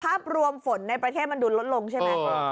ภาพรวมฝนในประเทศมันดูลดลงใช่ไหม